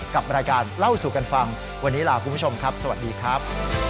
กับรายการเล่าสู่กันฟังวันนี้ลาคุณผู้ชมครับสวัสดีครับ